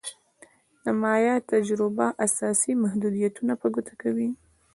د مایا تجربه اساسي محدودیتونه په ګوته کوي.